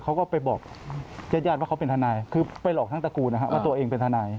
เขาก็ไปบอกญาติญาติว่าเขาเป็นทนายคือไปหลอกทั้งตระกูลนะฮะว่าตัวเองเป็นทนาย